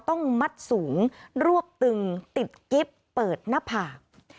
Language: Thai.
ต้องมัดสูงรวบตึงติดกิ๊บเปิดหน้าผาก